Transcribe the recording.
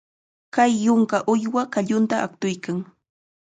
Kay yunka uywa qallunta aqtuykan.